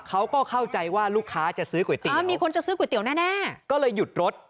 เขาก็เข้าใจว่าลูกค้าจะซื้อก๋วยเตี๋ยวมีคนจะซื้อก๋วเตี๋ยแน่ก็เลยหยุดรถ